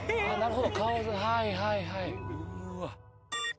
顔がはいはいはい。